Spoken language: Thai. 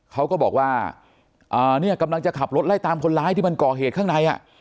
เขาก็บอกว่าเนี่ยกำลังจะขับรถไล่ตามคนร้ายที่มันก่อเหตุข้างใน